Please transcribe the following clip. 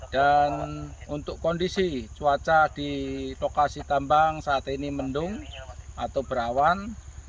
dan untuk kondisi cuaca di lokasi tambang saat ini mendung atau berawan